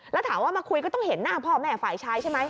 แล้วถามว่ามาคุยก็ต้องเห็นหน้าพ่อแม่ฝ่ายชายใช่ไหม